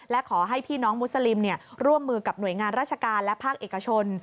และขอให้พี่น้องมุสลิมร่วมมือกับหน่วยงานราชการและภาคเอกชน